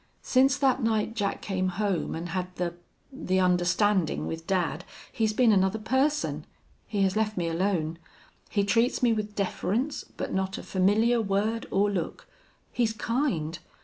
Since that night Jack came home and had the the understanding with dad he has been another person. He has left me alone. He treats me with deference, but not a familiar word or look. He's kind.